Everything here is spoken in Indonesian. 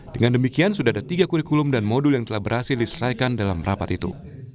dengan demikian sudah ada tiga kurikulum dan modul yang telah berhasil diselesaikan dalam rapat itu